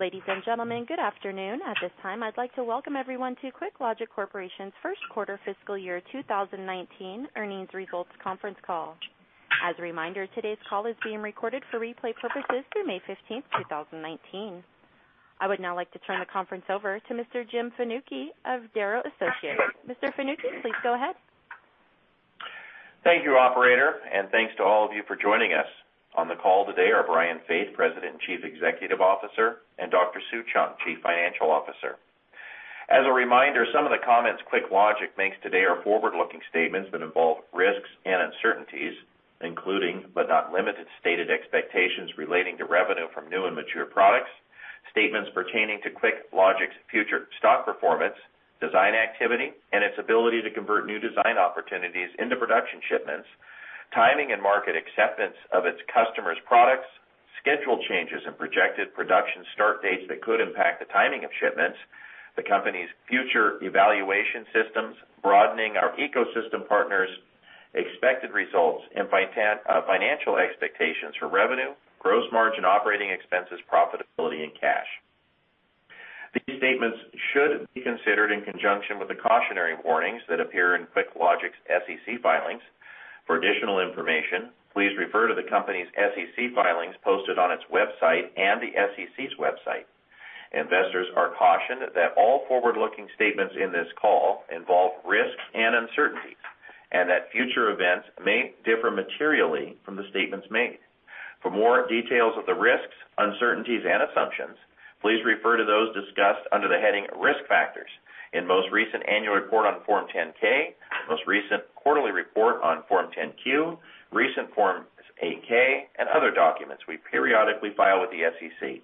Ladies and gentlemen, good afternoon. At this time, I'd like to welcome everyone to QuickLogic Corporation's first quarter fiscal year 2019 earnings results conference call. As a reminder, today's call is being recorded for replay purposes through May 15th, 2019. I would now like to turn the conference over to Mr. Jim Fanucchi of Darrow Associates. Mr. Fanucchi, please go ahead. Thank you, operator, thanks to all of you for joining us. On the call today are Brian Faith, President and Chief Executive Officer, and Dr. Sue Cheung, Chief Financial Officer. As a reminder, some of the comments QuickLogic makes today are forward-looking statements that involve risks and uncertainties, including, but not limited, stated expectations relating to revenue from new and mature products, statements pertaining to QuickLogic's future stock performance, design activity, and its ability to convert new design opportunities into production shipments, timing and market acceptance of its customers' products, schedule changes and projected production start dates that could impact the timing of shipments, the company's future evaluation systems, broadening our ecosystem partners, expected results and financial expectations for revenue, gross margin, operating expenses, profitability, and cash. These statements should be considered in conjunction with the cautionary warnings that appear in QuickLogic's SEC filings. For additional information, please refer to the company's SEC filings posted on its website and the SEC's website. Investors are cautioned that all forward-looking statements in this call involve risks and uncertainties, that future events may differ materially from the statements made. For more details of the risks, uncertainties, and assumptions, please refer to those discussed under the heading Risk Factors in most recent annual report on Form 10-K, most recent quarterly report on Form 10-Q, recent Forms 8-K, and other documents we periodically file with the SEC.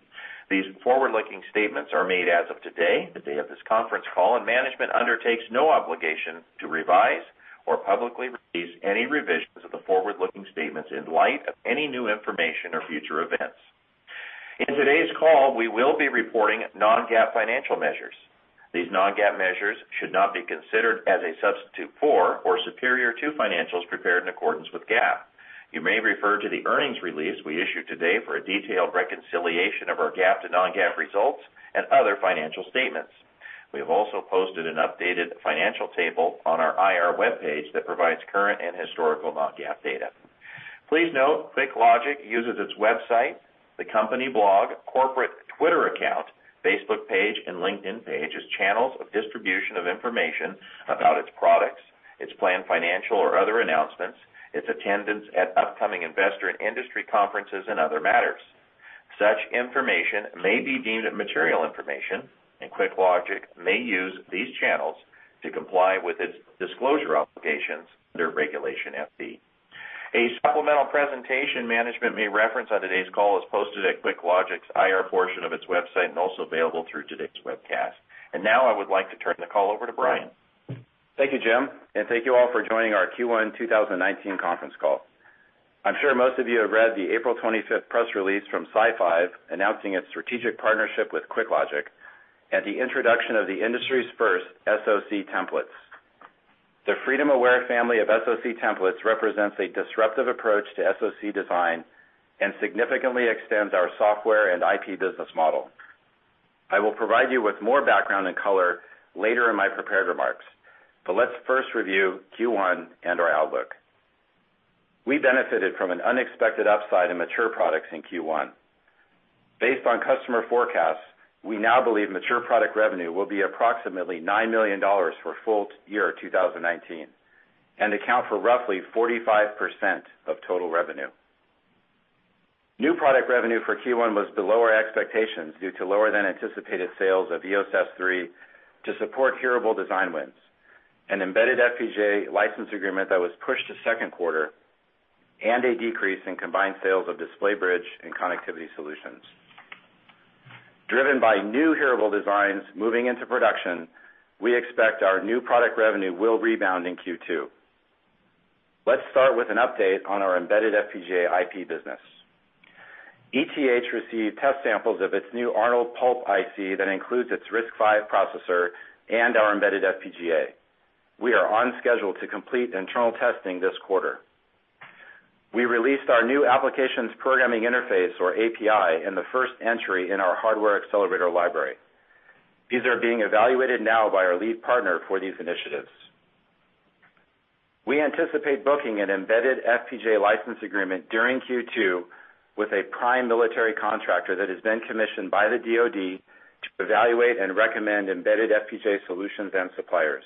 These forward-looking statements are made as of today, the day of this conference call, management undertakes no obligation to revise or publicly release any revisions of the forward-looking statements in light of any new information or future events. In today's call, we will be reporting non-GAAP financial measures. These non-GAAP measures should not be considered as a substitute for, or superior to, financials prepared in accordance with GAAP. You may refer to the earnings release we issued today for a detailed reconciliation of our GAAP to non-GAAP results and other financial statements. We have also posted an updated financial table on our IR webpage that provides current and historical non-GAAP data. Please note QuickLogic uses its website, the company blog, corporate Twitter account, Facebook page, and LinkedIn page as channels of distribution of information about its products, its planned financial or other announcements, its attendance at upcoming investor and industry conferences, and other matters. Such information may be deemed material information, QuickLogic may use these channels to comply with its disclosure obligations under Regulation FD. A supplemental presentation management may reference on today's call is posted at QuickLogic's IR portion of its website and also available through today's webcast. Now, I would like to turn the call over to Brian. Thank you, Jim, and thank you all for joining our Q1 2019 conference call. I'm sure most of you have read the April 25th press release from SiFive announcing its strategic partnership with QuickLogic and the introduction of the industry's first SoC templates. The Freedom Aware family of SoC templates represents a disruptive approach to SoC design and significantly extends our software and IP business model. I will provide you with more background and color later in my prepared remarks, but let's first review Q1 and our outlook. We benefited from an unexpected upside in mature products in Q1. Based on customer forecasts, we now believe mature product revenue will be approximately $9 million for full year 2019 and account for roughly 45% of total revenue. New product revenue for Q1 was below our expectations due to lower than anticipated sales of EOS S3 to support hearable design wins, an embedded FPGA license agreement that was pushed to second quarter, and a decrease in combined sales of DisplayBridge and connectivity solutions. Driven by new hearable designs moving into production, we expect our new product revenue will rebound in Q2. Let's start with an update on our embedded FPGA IP business. ETH received test samples of its new Arnold PULP IC that includes its RISC-V processor and our embedded FPGA. We are on schedule to complete internal testing this quarter. We released our new applications programming interface, or API, and the first entry in our hardware accelerator library. These are being evaluated now by our lead partner for these initiatives. We anticipate booking an embedded FPGA license agreement during Q2 with a prime military contractor that has been commissioned by the DoD to evaluate and recommend embedded FPGA solutions and suppliers.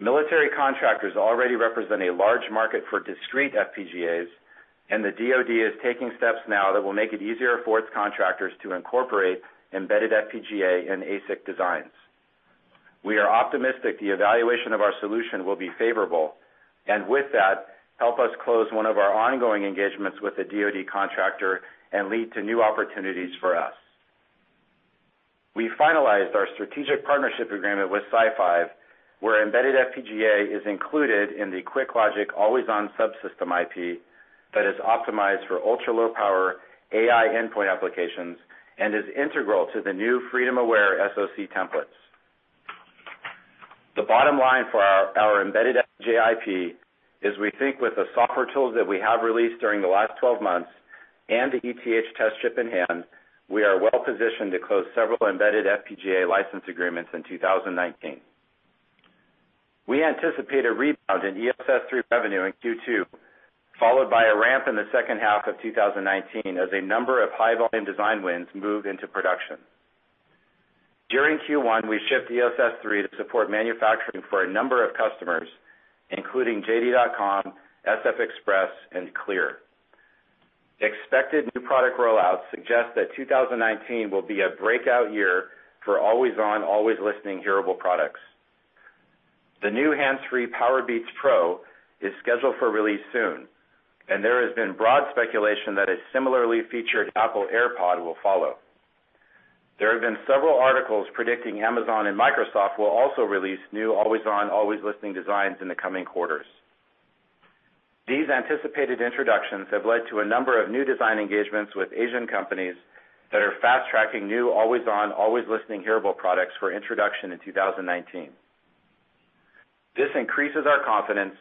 Military contractors already represent a large market for discrete FPGAs, and the DoD is taking steps now that will make it easier for its contractors to incorporate embedded FPGA and ASIC designs. We are optimistic the evaluation of our solution will be favorable, and with that, help us close one of our ongoing engagements with the DoD contractor and lead to new opportunities for us. We finalized our strategic partnership agreement with SiFive, where embedded FPGA is included in the QuickLogic Always-on Subsystem IP that is optimized for ultra-low power AI endpoint applications and is integral to the new Freedom Aware SoC templates. The bottom line for our embedded FPGA IP is we think with the software tools that we have released during the last 12 months and the ETH test chip in hand, we are well-positioned to close several embedded FPGA license agreements in 2019. We anticipate a rebound in EOS S3 revenue in Q2, followed by a ramp in the second half of 2019 as a number of high-volume design wins move into production. During Q1, we shipped EOS S3 to support manufacturing for a number of customers, including JD.com, SF Express, and Clear. Expected new product rollouts suggest that 2019 will be a breakout year for always-on, always-listening hearable products. The new Hands Free Powerbeats Pro is scheduled for release soon, there has been broad speculation that a similarly featured Apple AirPod will follow. There have been several articles predicting Amazon and Microsoft will also release new always-on, always-listening designs in the coming quarters. These anticipated introductions have led to a number of new design engagements with Asian companies that are fast-tracking new always-on, always-listening hearable products for introduction in 2019. This increases our confidence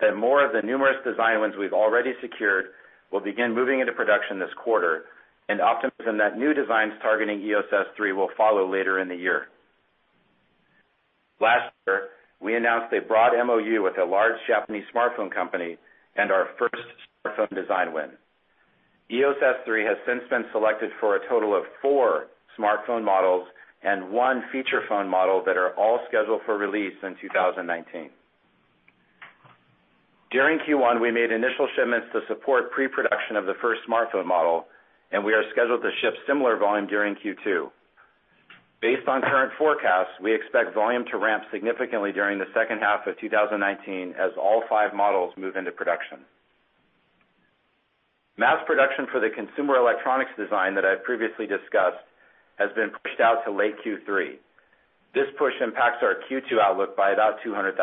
that more of the numerous design wins we've already secured will begin moving into production this quarter and optimism that new designs targeting EOS S3 will follow later in the year. Last year, we announced a broad MoU with a large Japanese smartphone company and our first smartphone design win. EOS S3 has since been selected for a total of four smartphone models and one feature phone model that are all scheduled for release in 2019. During Q1, we made initial shipments to support pre-production of the first smartphone model, we are scheduled to ship similar volume during Q2. Based on current forecasts, we expect volume to ramp significantly during the second half of 2019 as all five models move into production. Mass production for the consumer electronics design that I previously discussed has been pushed out to late Q3. This push impacts our Q2 outlook by about $200,000.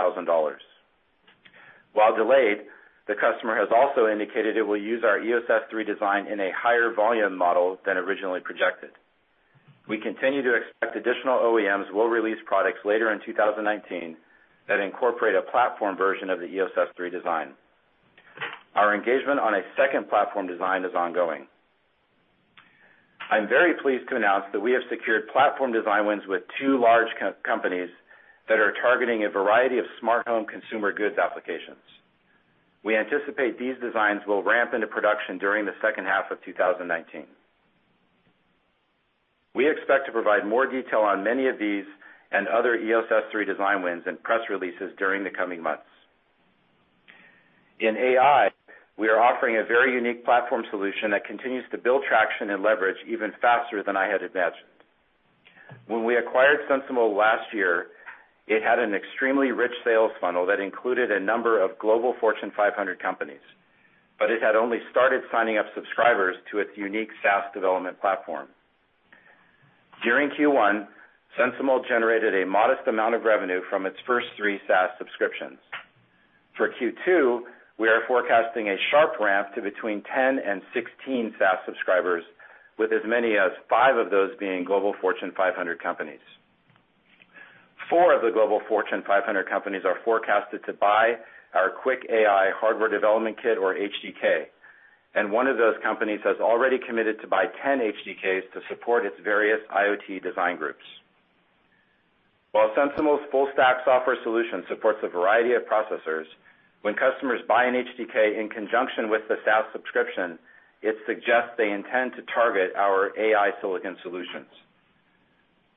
While delayed, the customer has also indicated it will use our EOS S3 design in a higher volume model than originally projected. We continue to expect additional OEMs will release products later in 2019 that incorporate a platform version of the EOS S3 design. Our engagement on a second platform design is ongoing. I'm very pleased to announce that we have secured platform design wins with two large companies that are targeting a variety of smart home consumer goods applications. We anticipate these designs will ramp into production during the second half of 2019. We expect to provide more detail on many of these and other EOS S3 design wins in press releases during the coming months. In AI, we are offering a very unique platform solution that continues to build traction and leverage even faster than I had imagined. When we acquired SensiML last year, it had an extremely rich sales funnel that included a number of Global Fortune 500 companies, it had only started signing up subscribers to its unique SaaS development platform. During Q1, SensiML generated a modest amount of revenue from its first three SaaS subscriptions. For Q2, we are forecasting a sharp ramp to between 10 and 16 SaaS subscribers, with as many as five of those being Global Fortune 500 companies. Four of the Global Fortune 500 companies are forecasted to buy our QuickAI HDK, and one of those companies has already committed to buy 10 HDKs to support its various IoT design groups. While SensiML's full-stack software solution supports a variety of processors, when customers buy an HDK in conjunction with the SaaS subscription, it suggests they intend to target our AI silicon solutions.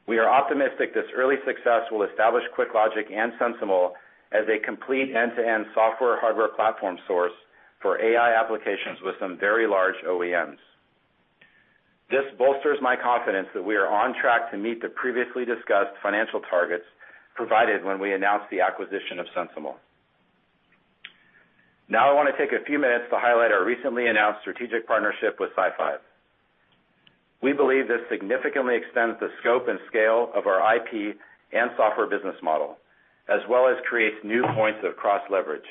We are optimistic this early success will establish QuickLogic and SensiML as a complete end-to-end software hardware platform source for AI applications with some very large OEMs. This bolsters my confidence that we are on track to meet the previously discussed financial targets provided when we announced the acquisition of SensiML. I want to take a few minutes to highlight our recently announced strategic partnership with SiFive. We believe this significantly extends the scope and scale of our IP and software business model, as well as creates new points of cross-leverage.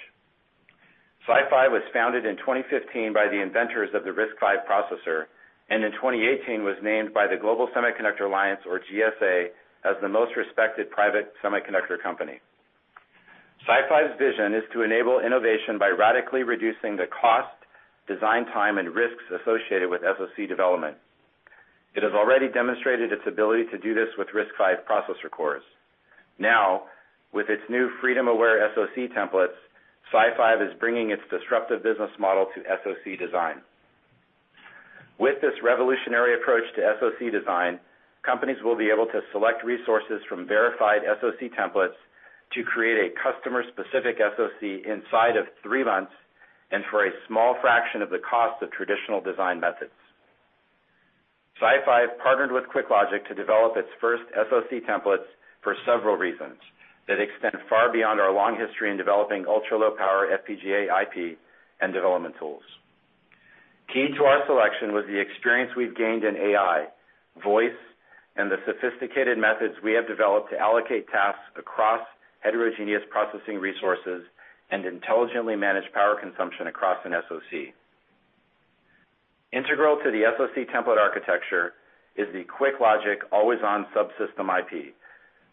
SiFive was founded in 2015 by the inventors of the RISC-V processor, and in 2018 was named by the Global Semiconductor Alliance, or GSA, as the most respected private semiconductor company. SiFive's vision is to enable innovation by radically reducing the cost, design time, and risks associated with SoC development. It has already demonstrated its ability to do this with RISC-V processor cores. With its new Freedom Aware SoC templates, SiFive is bringing its disruptive business model to SoC design. With this revolutionary approach to SoC design, companies will be able to select resources from verified SoC templates to create a customer-specific SoC inside of three months and for a small fraction of the cost of traditional design methods. SiFive partnered with QuickLogic to develop its first SoC templates for several reasons that extend far beyond our long history in developing ultra-low power FPGA IP and development tools. Key to our selection was the experience we've gained in AI, voice, and the sophisticated methods we have developed to allocate tasks across heterogeneous processing resources and intelligently manage power consumption across an SoC. Integral to the SoC template architecture is the QuickLogic Always-on Subsystem IP,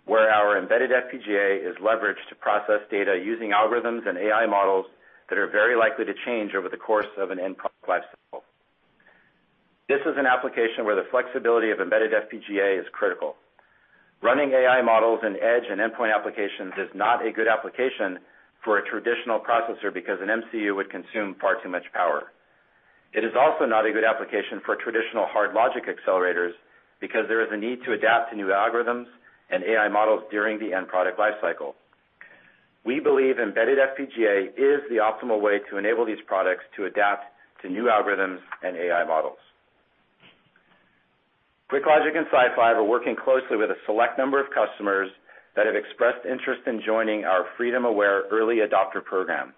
where our embedded FPGA is leveraged to process data using algorithms and AI models that are very likely to change over the course of an end product lifecycle. This is an application where the flexibility of embedded FPGA is critical. Running AI models in edge and endpoint applications is not a good application for a traditional processor, because an MCU would consume far too much power. It is also not a good application for traditional hard logic accelerators, because there is a need to adapt to new algorithms and AI models during the end product lifecycle. We believe embedded FPGA is the optimal way to enable these products to adapt to new algorithms and AI models. QuickLogic and SiFive are working closely with a select number of customers that have expressed interest in joining our Freedom Aware early adopter program.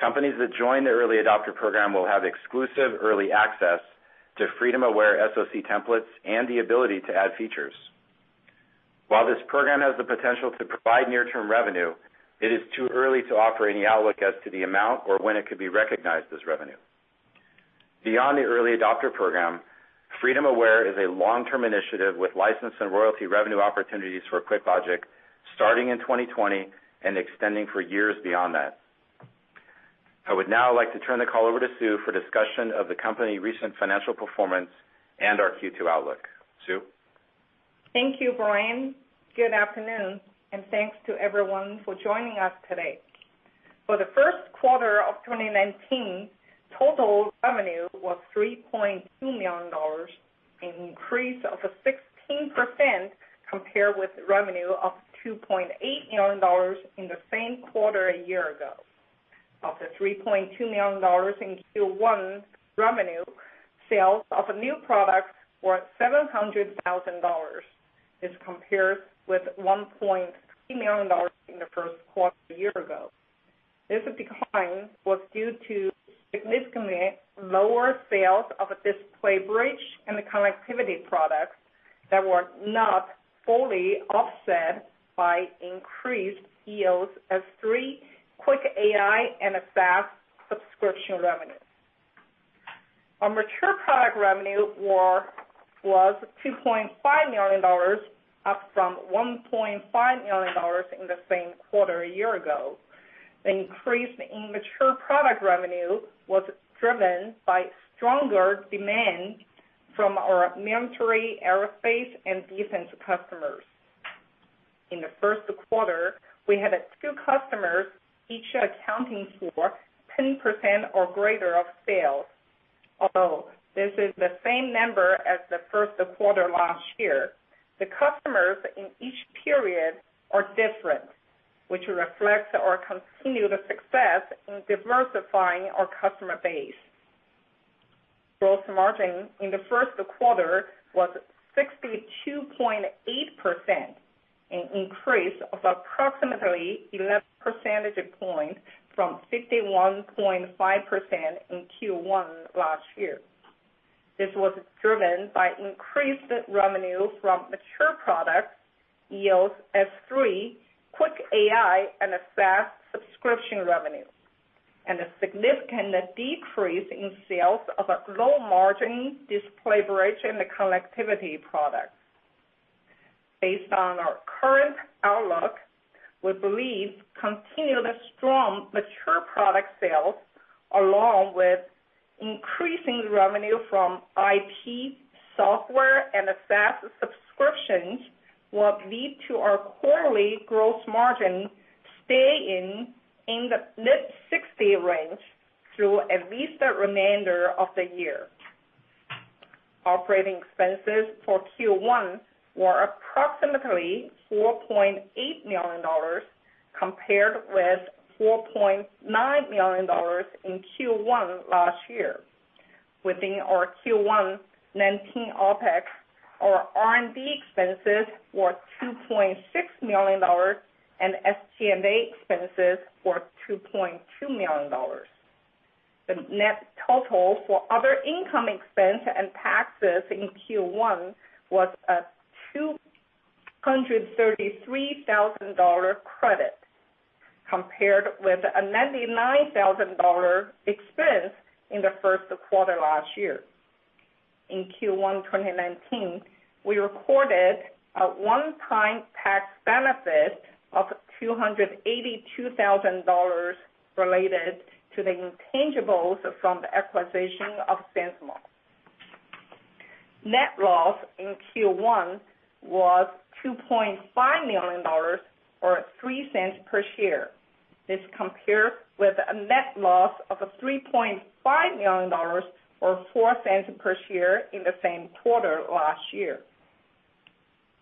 Companies that join the early adopter program will have exclusive early access to Freedom Aware SoC templates and the ability to add features. While this program has the potential to provide near-term revenue, it is too early to offer any outlook as to the amount or when it could be recognized as revenue. Beyond the early adopter program, Freedom Aware is a long-term initiative with license and royalty revenue opportunities for QuickLogic, starting in 2020 and extending for years beyond that. I would now like to turn the call over to Sue for discussion of the company recent financial performance and our Q2 outlook. Sue? Thank you, Brian. Good afternoon, and thanks to everyone for joining us today. For the first quarter of 2019, total revenue was $3.2 million, an increase of 16% compared with revenue of $2.8 million in the same quarter a year ago. Of the $3.2 million in Q1 revenue, sales of new products were $700,000. This compares with $1.3 million in the first quarter a year ago. This decline was due to significantly lower sales of DisplayBridge and the connectivity products that were not fully offset by increased EOS S3 QuickAI and SaaS subscription revenue. Our mature product revenue was $2.5 million, up from $1.5 million in the same quarter a year ago. The increase in mature product revenue was driven by stronger demand from our military, aerospace, and defense customers. In the first quarter, we had two customers, each accounting for 10% or greater of sales. Although this is the same number as the first quarter last year, the customers in each period are different, which reflects our continued success in diversifying our customer base. Gross margin in the first quarter was 62.8%, an increase of approximately 11 percentage points from 51.5% in Q1 last year. This was driven by increased revenue from mature products, EOS S3, QuickAI, and SaaS subscription revenue, and a significant decrease in sales of low-margin DisplayBridge and the connectivity products. Based on our current outlook, we believe continued strong mature product sales, along with increasing revenue from IP, software, and SaaS subscriptions, will lead to our quarterly gross margin staying in the mid-60 range through at least the remainder of the year. Operating expenses for Q1 were approximately $4.8 million compared with $4.9 million in Q1 last year. Within our Q1 2019 OpEx, our R&D expenses were $2.6 million, and SG&A expenses were $2.2 million. The net total for other income expense and taxes in Q1 was a $233,000 credit compared with a $99,000 expense in the first quarter last year. In Q1 2019, we recorded a one-time tax benefit of $282,000 related to the intangibles from the acquisition of SensiML. Net loss in Q1 was $2.5 million, or $0.03 per share. This compared with a net loss of $3.5 million, or $0.04 per share in the same quarter last year.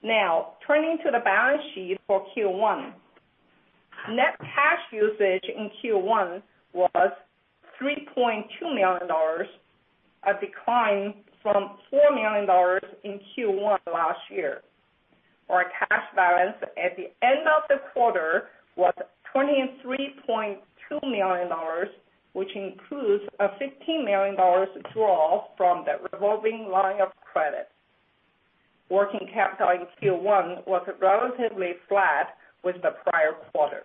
Now, turning to the balance sheet for Q1. Net cash usage in Q1 was $3.2 million, a decline from $4 million in Q1 last year. Our cash balance at the end of the quarter was $23.2 million, which includes a $15 million draw from the revolving line of credit. Working capital in Q1 was relatively flat with the prior quarter.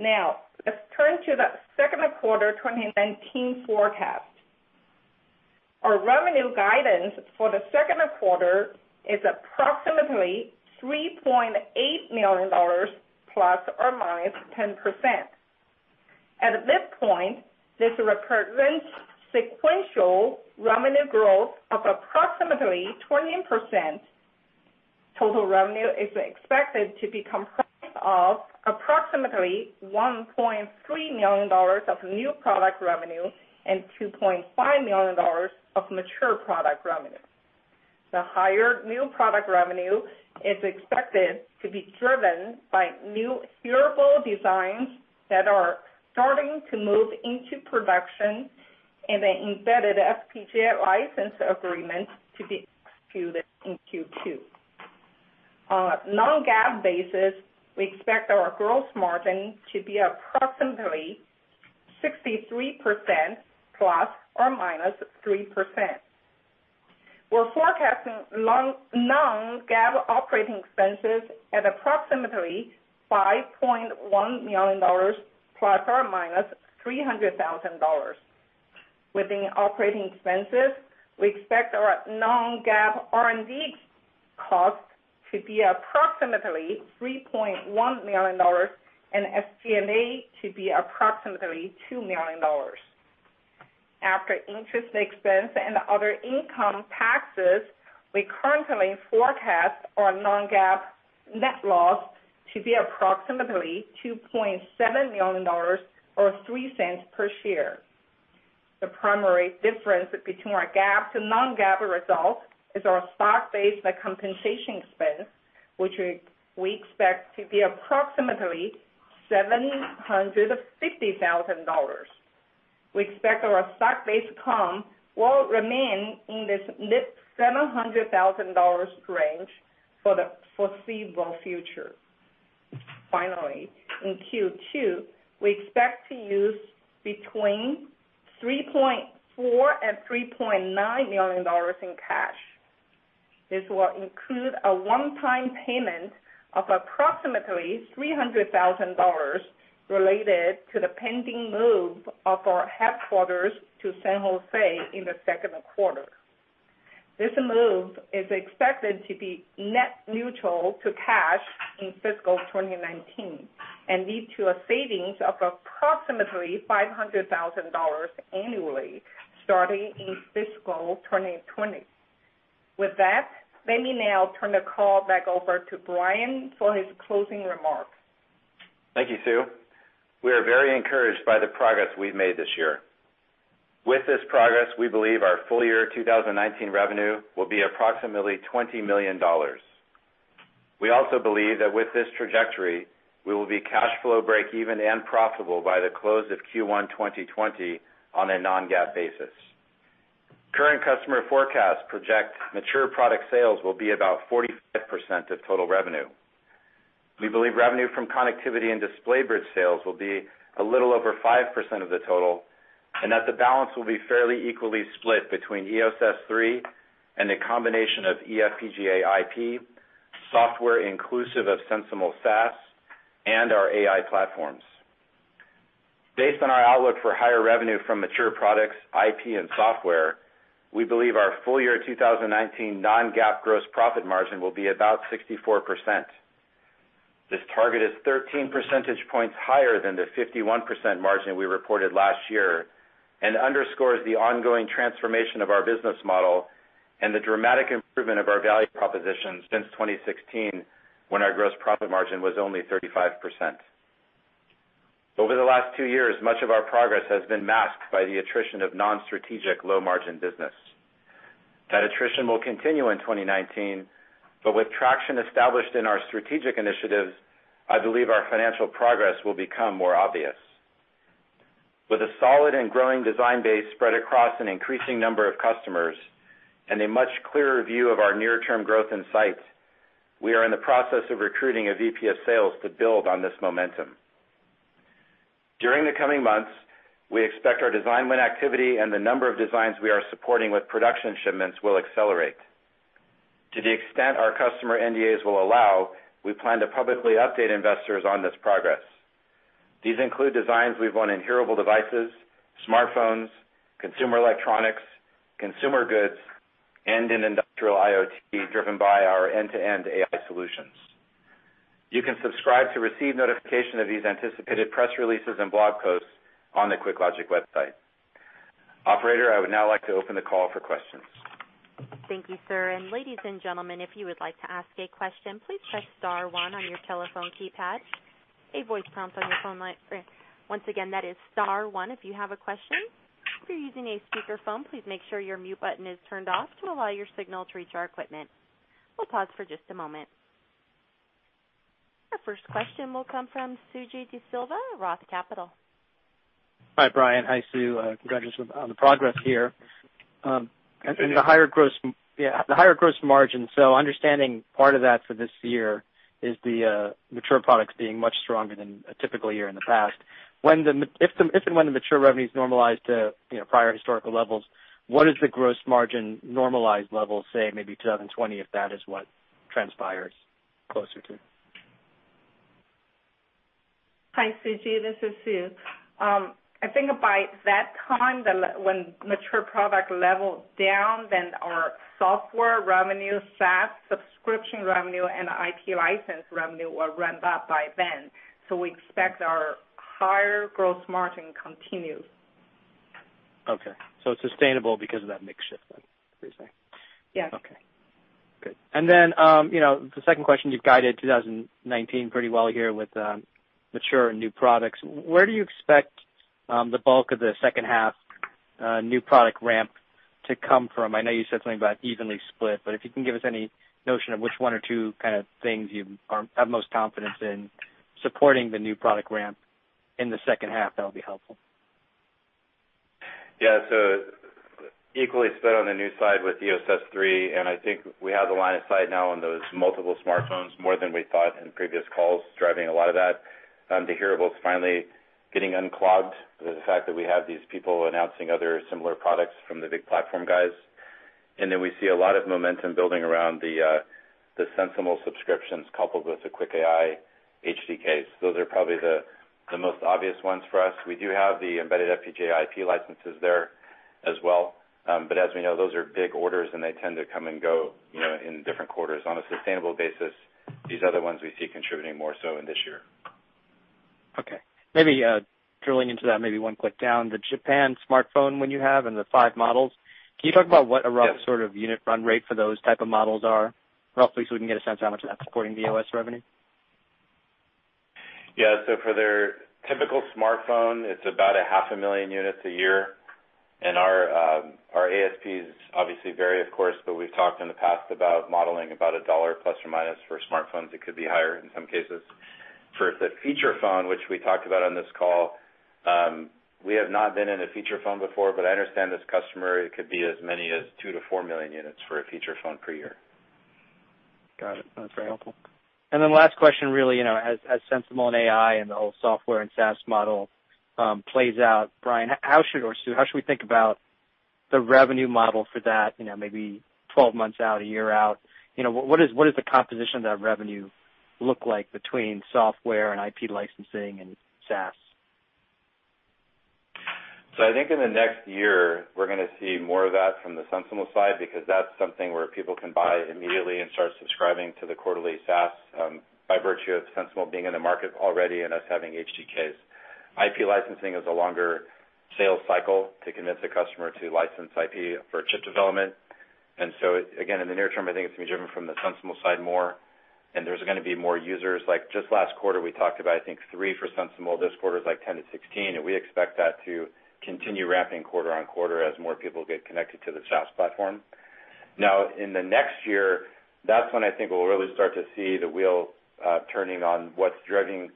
Now, let's turn to the second quarter 2019 forecast. Our revenue guidance for the second quarter is approximately $3.8 million, plus or minus 10%. At this point, this represents sequential revenue growth of approximately 20%. Total revenue is expected to be comprised of approximately $1.3 million of new product revenue and $2.5 million of mature product revenue. The higher new product revenue is expected to be driven by new hearable designs that are starting to move into production and an embedded FPGA license agreement to be executed in Q2. On a non-GAAP basis, we expect our gross margin to be approximately 63%, plus or minus 3%. We're forecasting non-GAAP operating expenses at approximately $5.1 million, plus or minus $300,000. Within operating expenses, we expect our non-GAAP R&D costs to be approximately $3.1 million and SG&A to be approximately $2 million. After interest expense and other income taxes, we currently forecast our non-GAAP net loss to be approximately $2.7 million or $0.03 per share. The primary difference between our GAAP to non-GAAP results is our stock-based compensation expense, which we expect to be approximately $750,000. We expect our stock-based comp will remain in this mid-$700,000 range for the foreseeable future. Finally, in Q2, we expect to use between $3.4 and $3.9 million in cash. This will include a one-time payment of approximately $300,000 related to the pending move of our headquarters to San Jose in the second quarter. This move is expected to be net neutral to cash in fiscal 2019 and lead to a savings of approximately $500,000 annually starting in fiscal 2020. With that, let me now turn the call back over to Brian for his closing remarks. Thank you, Sue. We are very encouraged by the progress we've made this year. With this progress, we believe our full year 2019 revenue will be approximately $20 million. We also believe that with this trajectory, we will be cash flow break even and profitable by the close of Q1 2020 on a non-GAAP basis. Current customer forecasts project mature product sales will be about 45% of total revenue. We believe revenue from connectivity and DisplayBridge sales will be a little over 5% of the total, and that the balance will be fairly equally split between EOS S3 and a combination of eFPGA IP, software inclusive of SensiML SaaS and our AI platforms. Based on our outlook for higher revenue from mature products, IP and software, we believe our full year 2019 non-GAAP gross profit margin will be about 64%. This target is 13 percentage points higher than the 51% margin we reported last year and underscores the ongoing transformation of our business model and the dramatic improvement of our value proposition since 2016, when our gross profit margin was only 35%. Over the last two years, much of our progress has been masked by the attrition of non-strategic low-margin business. With traction established in our strategic initiatives, I believe our financial progress will become more obvious. With a solid and growing design base spread across an increasing number of customers and a much clearer view of our near-term growth in sight, we are in the process of recruiting a VP of sales to build on this momentum. During the coming months, we expect our design win activity and the number of designs we are supporting with production shipments will accelerate. To the extent our customer NDAs will allow, we plan to publicly update investors on this progress. These include designs we've won in hearable devices, smartphones, consumer electronics, consumer goods, and in industrial IoT, driven by our end-to-end AI solutions. You can subscribe to receive notification of these anticipated press releases and blog posts on the QuickLogic website. Operator, I would now like to open the call for questions. Thank you, sir. Ladies and gentlemen, if you would like to ask a question, please press star one on your telephone keypad. A voice prompt on your phone line. Once again, that is star one if you have a question. If you're using a speakerphone, please make sure your mute button is turned off to allow your signal to reach our equipment. We'll pause for just a moment. Our first question will come from Suji De Silva, Roth Capital. Hi, Brian. Hi, Sue. Congratulations on the progress here. Thank you. Yeah, the higher gross margin. Understanding part of that for this year is the mature products being much stronger than a typical year in the past. If and when the mature revenue is normalized to prior historical levels, what is the gross margin normalized level, say maybe 2020, if that is what transpires closer to? Hi, Suji, this is Sue. I think by that time, when mature product level is down, then our software revenue, SaaS subscription revenue, and IP license revenue will ramp up by then. We expect our higher gross margin continues. Okay. It's sustainable because of that mix shift then, is what you're saying? Yes. Okay, good. The second question, you've guided 2019 pretty well here with mature and new products. Where do you expect the bulk of the second half new product ramp to come from? I know you said something about evenly split, but if you can give us any notion of which one or two kind of things you have most confidence in supporting the new product ramp in the second half, that'll be helpful. Equally split on the new side with EOS S3, and I think we have the line of sight now on those multiple smartphones more than we thought in previous calls, driving a lot of that. The hearable is finally getting unclogged with the fact that we have these people announcing other similar products from the big platform guys. We see a lot of momentum building around the SensiML subscriptions coupled with the QuickAI HDKs. Those are probably the most obvious ones for us. We do have the embedded FPGA IP licenses there as well. As we know, those are big orders, and they tend to come and go in different quarters. On a sustainable basis, these other ones we see contributing more so in this year. Okay. Maybe drilling into that, maybe one click down, the Japan smartphone win you have and the 5 models. Yes. Can you talk about what a rough sort of unit run rate for those type of models are, roughly, so we can get a sense of how much of that's supporting the OS revenue? For their typical smartphone, it's about a half a million units a year. Our ASPs obviously vary, of course, but we've talked in the past about modeling about a $1 plus or minus for smartphones. It could be higher in some cases. For the feature phone, which we talked about on this call, we have not been in a feature phone before, but I understand this customer, it could be as many as 2 million-4 million units for a feature phone per year. Got it. That's very helpful. Last question, really, as SensiML and AI and the whole SaaS model plays out, Brian, how should we think about the revenue model for that maybe 12 months out, a year out? What does the composition of that revenue look like between software and IP licensing and SaaS? I think in the next year, we're going to see more of that from the SensiML side because that's something where people can buy immediately and start subscribing to the quarterly SaaS, by virtue of SensiML being in the market already and us having HDKs. IP licensing is a longer sales cycle to convince a customer to license IP for chip development. Again, in the near term, I think it's going to be driven from the SensiML side more, and there's going to be more users. Just last quarter, we talked about, I think, three for SensiML. This quarter is 10-16, and we expect that to continue ramping quarter-on-quarter as more people get connected to the SaaS platform. In the next year, that's when I think we'll really start to see the wheel turning on what's driving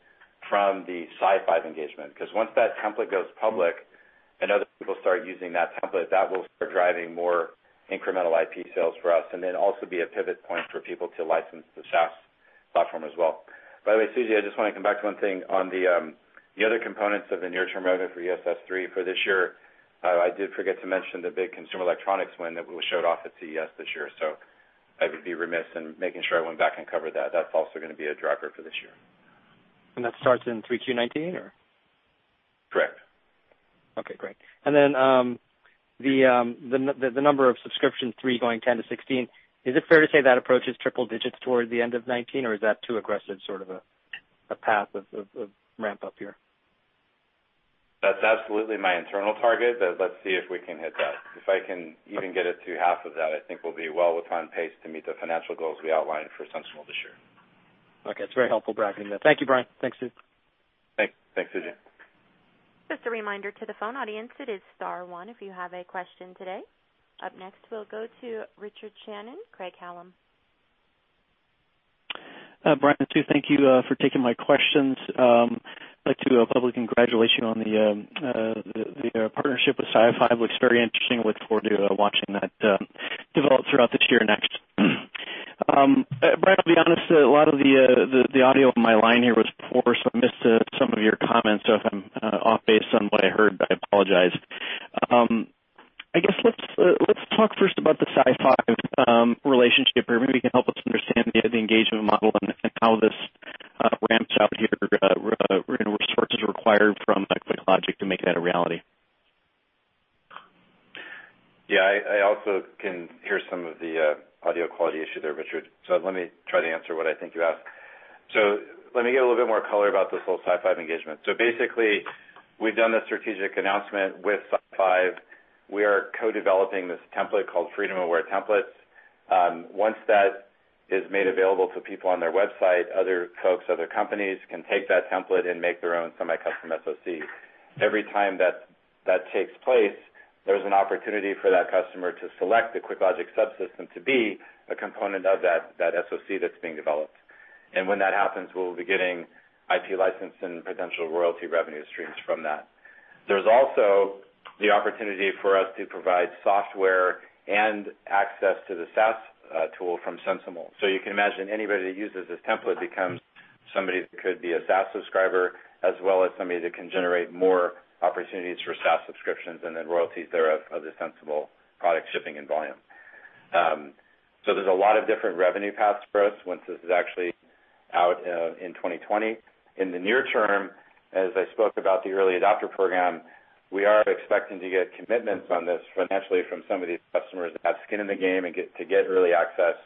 from the SiFive engagement. Once that template goes public and other people start using that template, that will start driving more incremental IP sales for us, also be a pivot point for people to license the SaaS platform as well. By the way, Suji, I just want to come back to one thing on the other components of the near-term revenue for EOS S3 for this year. I did forget to mention the big consumer electronics win that we showed off at CES this year, I would be remiss in making sure I went back and covered that. That's also going to be a driver for this year. That starts in 3Q 2019, or? Correct. Okay, great. The number of subscription three going 10 to 16, is it fair to say that approach is triple digits towards the end of 2019, or is that too aggressive sort of a path of ramp-up here? That's absolutely my internal target. Let's see if we can hit that. If I can even get it to half of that, I think we'll be well upon pace to meet the financial goals we outlined for SensiML this year. Okay. It's very helpful bracketing that. Thank you, Brian. Thanks, Sue. Thanks. Thanks, Suji. Just a reminder to the phone audience, it is star one if you have a question today. Up next, we'll go to Richard Shannon, Craig-Hallum. Brian and Sue, thank you for taking my questions. I'd like to publicly congratulate you on the partnership with SiFive. Looks very interesting. Look forward to watching that develop throughout this year and next. Brian, I'll be honest, a lot of the audio on my line here was poor, so I missed some of your comments. If I'm off base on what I heard, I apologize. I guess let's talk first about the SiFive relationship, or maybe you can help us understand the engagement model and how this ramps out here, what resources are required from QuickLogic to make that a reality. Yeah, I also can hear some of the audio quality issue there, Richard, let me try to answer what I think you asked. Let me give a little bit more color about this whole SiFive engagement. Basically, we've done a strategic announcement with SiFive. We are co-developing this template called Freedom Aware Templates. Once that is made available to people on their website, other folks, other companies can take that template and make their own semi-custom SoC. Every time that takes place, there's an opportunity for that customer to select the QuickLogic subsystem to be a component of that SoC that's being developed. When that happens, we'll be getting IP license and potential royalty revenue streams from that. There's also the opportunity for us to provide software and access to the SaaS tool from SensiML. You can imagine anybody that uses this template becomes somebody that could be a SaaS subscriber, as well as somebody that can generate more opportunities for SaaS subscriptions and then royalties thereof of the SensiML product shipping in volume. There's a lot of different revenue paths for us once this is actually out in 2020. In the near term, as I spoke about the early adopter program, we are expecting to get commitments on this financially from some of these customers that have skin in the game and to get early access.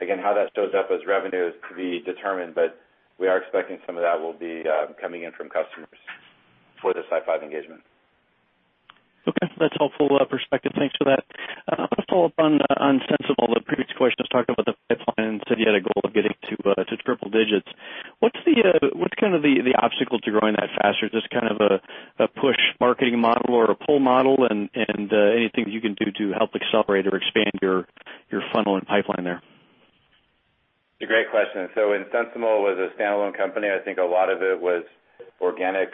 Again, how that shows up as revenue is to be determined, but we are expecting some of that will be coming in from customers for this SiFive engagement. Okay. That's helpful perspective. Thanks for that. I'll follow up on SensiML. The previous question was talking about the pipeline and said you had a goal of getting to triple digits. What's kind of the obstacle to growing that faster? Is this kind of a push marketing model or a pull model? Anything that you can do to help accelerate or expand your funnel and pipeline there? It's a great question. When SensiML was a standalone company, I think a lot of it was organic,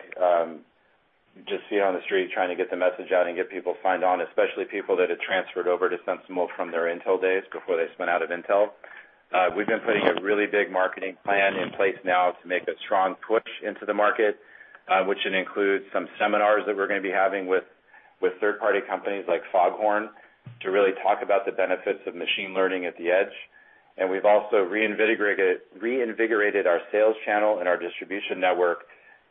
just feet on the street trying to get the message out and get people signed on, especially people that had transferred over to SensiML from their Intel days before they spun out of Intel. We've been putting a really big marketing plan in place now to make a strong push into the market, which includes some seminars that we're going to be having with third-party companies like FogHorn to really talk about the benefits of machine learning at the edge. We've also reinvigorated our sales channel and our distribution network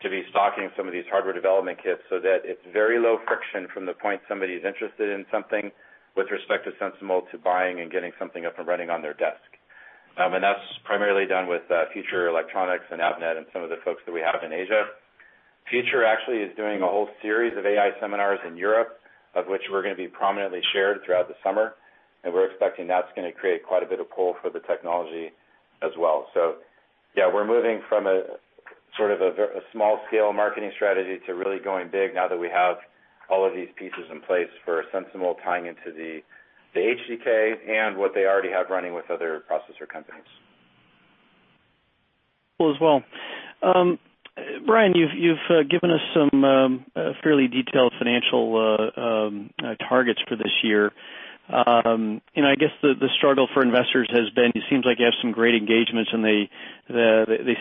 to be stocking some of these hardware development kits so that it's very low friction from the point somebody's interested in something with respect to SensiML, to buying and getting something up and running on their desk. That's primarily done with Future Electronics and Avnet and some of the folks that we have in Asia. Future actually is doing a whole series of AI seminars in Europe, of which we're going to be prominently shared throughout the summer, and we're expecting that's going to create quite a bit of pull for the technology as well. Yeah, we're moving from sort of a small-scale marketing strategy to really going big now that we have all of these pieces in place for SensiML tying into the HDK and what they already have running with other processor companies. Cool as well. Brian, you've given us some fairly detailed financial targets for this year. I guess the struggle for investors has been, it seems like you have some great engagements and they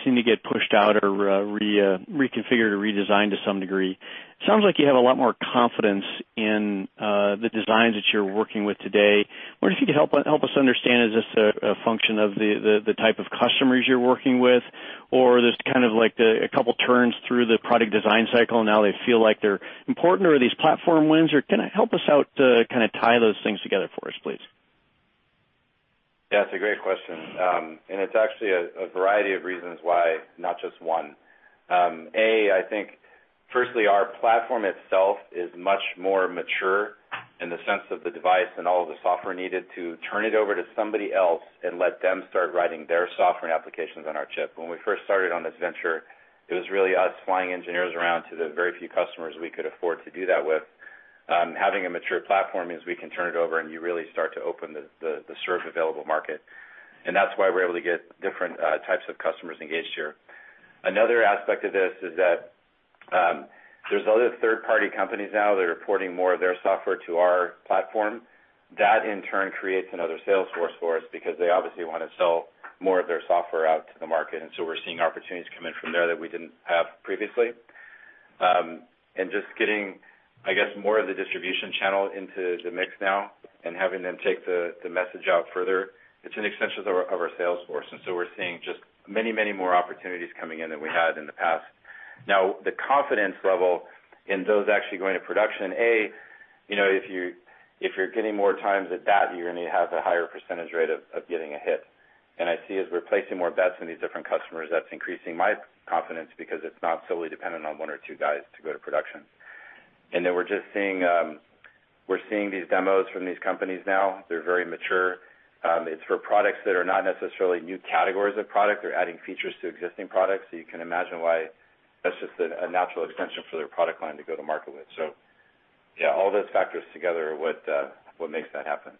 seem to get pushed out or reconfigured or redesigned to some degree. Sounds like you have a lot more confidence in the designs that you're working with today. I wonder if you could help us understand, is this a function of the type of customers you're working with, or just kind of like a couple turns through the product design cycle, now they feel like they're important, or are these platform wins? Help us out, kind of tie those things together for us, please. Yeah, it's a great question. It's actually a variety of reasons why, not just one. I think firstly, our platform itself is much more mature in the sense of the device and all of the software needed to turn it over to somebody else and let them start writing their software and applications on our chip. When we first started on this venture, it was really us flying engineers around to the very few customers we could afford to do that with. Having a mature platform means we can turn it over and you really start to open the served available market. That's why we're able to get different types of customers engaged here. Another aspect of this is that there's other third-party companies now that are porting more of their software to our platform. That in turn creates another sales force for us because they obviously want to sell more of their software out to the market, so we're seeing opportunities come in from there that we didn't have previously. Just getting, I guess, more of the distribution channel into the mix now and having them take the message out further, it's an extension of our sales force, so we're seeing just many, many more opportunities coming in than we had in the past. Now, the confidence level in those actually going to production, if you're getting more times at bat, you're going to have the higher percentage rate of getting a hit. I see as we're placing more bets in these different customers, that's increasing my confidence because it's not solely dependent on one or two guys to go to production. We're just seeing these demos from these companies now. They're very mature. It's for products that are not necessarily new categories of product. They're adding features to existing products. You can imagine why that's just a natural extension for their product line to go to market with. Yeah, all those factors together are what makes that happen.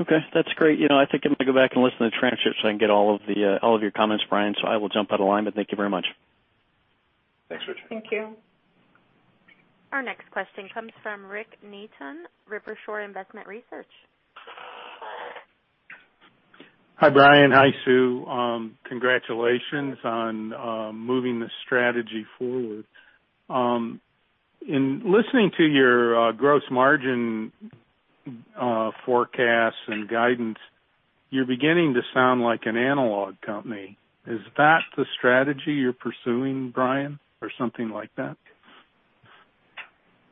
Okay. That's great. I think I'm going to go back and listen to the transcript so I can get all of your comments, Brian. I will jump out of line, but thank you very much. Thanks, Richard. Thank you. Our next question comes from Rick Neaton, Rivershore Investment Research. Hi, Brian. Hi, Sue. Congratulations on moving the strategy forward. In listening to your gross margin forecasts and guidance, you're beginning to sound like an analog company. Is that the strategy you're pursuing, Brian, or something like that?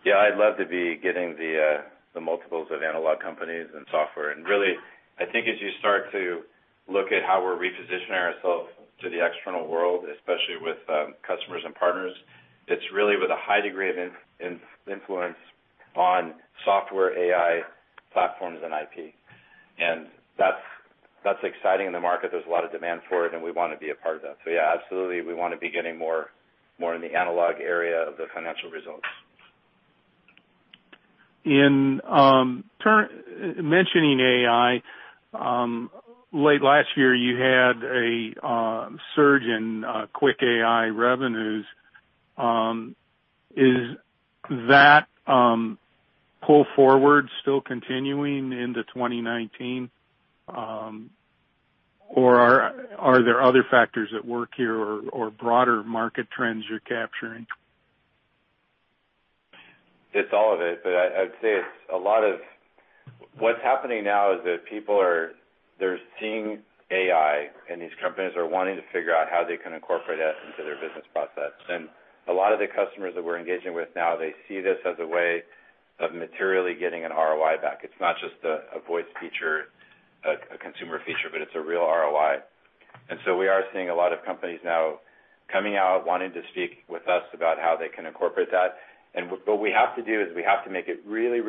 Yeah, I'd love to be getting the multiples of analog companies and software. Really, I think as you start to look at how we're repositioning ourselves to the external world, especially with customers and partners, it's really with a high degree of influence on software AI platforms and IP. That's exciting in the market. There's a lot of demand for it, and we want to be a part of that. Yeah, absolutely, we want to be getting more in the analog area of the financial results. In mentioning AI, late last year you had a surge in QuickAI revenues. Is that pull forward still continuing into 2019? Are there other factors at work here or broader market trends you're capturing? It's all of it, but I'd say what's happening now is that people are seeing AI, and these companies are wanting to figure out how they can incorporate it into their business process. A lot of the customers that we're engaging with now, they see this as a way of materially getting an ROI back. It's not just a voice feature, a consumer feature, but it's a real ROI. So we are seeing a lot of companies now coming out, wanting to speak with us about how they can incorporate that. What we have to do is we have to make it really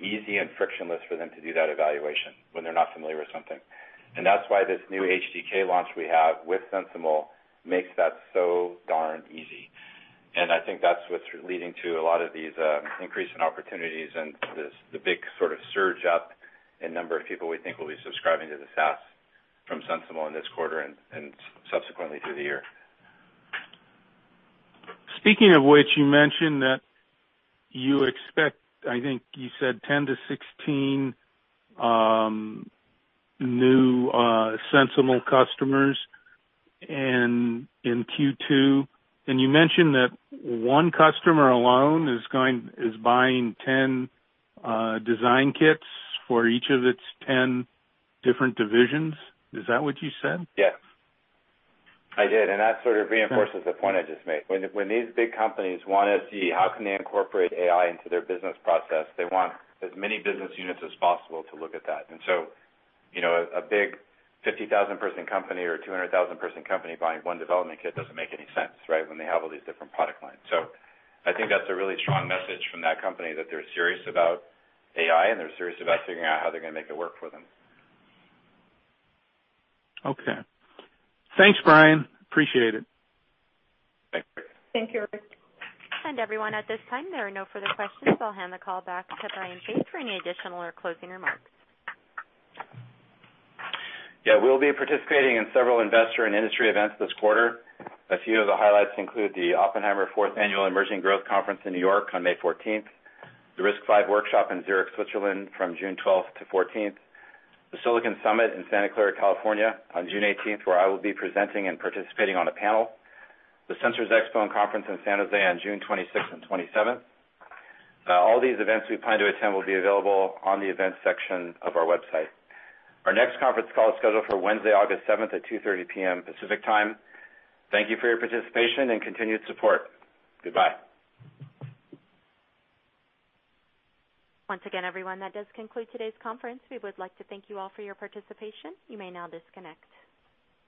easy and frictionless for them to do that evaluation when they're not familiar with something. That's why this new HDK launch we have with SensiML makes that so darn easy. I think that's what's leading to a lot of these increase in opportunities and the big sort of surge up in number of people we think will be subscribing to the SaaS from SensiML in this quarter and subsequently through the year. Speaking of which, you mentioned that you expect, I think you said 10 to 16 new SensiML customers in Q2. You mentioned that one customer alone is buying 10 design kits for each of its 10 different divisions. Is that what you said? Yes. I did. That sort of reinforces the point I just made. When these big companies want to see how can they incorporate AI into their business process, they want as many business units as possible to look at that. A big 50,000-person company or 200,000-person company buying one development kit doesn't make any sense when they have all these different product lines. I think that's a really strong message from that company that they're serious about AI, and they're serious about figuring out how they're going to make it work for them. Okay. Thanks, Brian. Appreciate it. Thanks. Thank you. Everyone, at this time, there are no further questions, so I'll hand the call back to Brian Faith for any additional or closing remarks. We'll be participating in several investor and industry events this quarter. A few of the highlights include the Oppenheimer Fourth Annual Emerging Growth Conference in New York on May 14th, the RISC-V Workshop in Zurich, Switzerland from June 12th to 14th, the Silicon Summit in Santa Clara, California on June 18th, where I will be presenting and participating on a panel. The Sensors Expo & Conference in San Jose on June 26th and 27th. All these events we plan to attend will be available on the events section of our website. Our next conference call is scheduled for Wednesday, August 7th at 2:30 P.M. Pacific Time. Thank you for your participation and continued support. Goodbye. Once again, everyone, that does conclude today's conference. We would like to thank you all for your participation. You may now disconnect.